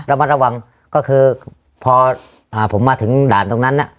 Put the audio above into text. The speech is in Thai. ระมัดระวังก็คือพอผมมาถึงด่านตรงนั้นน่ะ